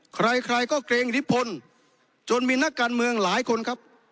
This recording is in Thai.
ใครใครก็เกรงอิทธิพลจนมีนักการเมืองหลายคนครับ